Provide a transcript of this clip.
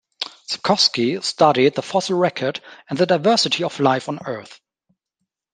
Sepkoski studied the fossil record and the diversity of life on Earth.